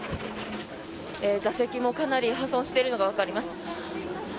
座席もかなり破損しているのがわかります。